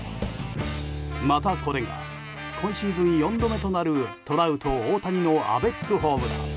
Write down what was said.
またこれが今シーズン４度目となるトラウト、大谷のアベックホームラン。